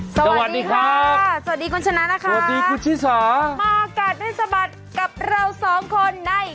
สวัสดีครับสวัสดีคุณชนะนะคะสวัสดีคุณชิสามากัดให้สะบัดกับเราสองคนใน